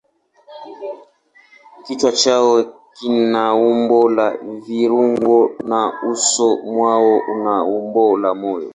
Kichwa chao kina umbo la mviringo na uso mwao una umbo la moyo.